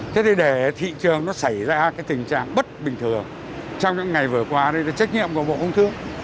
thế thì để thị trường nó xảy ra cái tình trạng bất bình thường trong những ngày vừa qua đây là trách nhiệm của bộ công thương